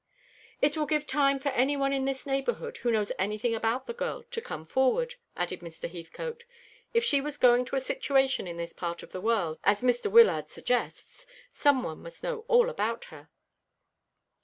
"It will give time for any one in this neighbourhood, who knows anything about the girl, to come forward," added Mr. Heathcote. "If she was going to a situation in this part of the world, as Mr. Wyllard suggests, some one must know all about her."